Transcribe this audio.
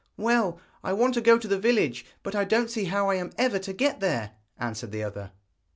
'Well, I want to go to the village; but I don't see how I am ever to get there,' answered the other.